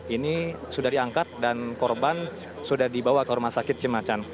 ini sudah diangkat dan korban sudah dibawa ke rumah sakit cimacan